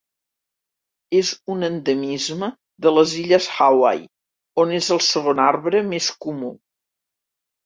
És un endemisme de les illes Hawaii, on és el segon arbre més comú.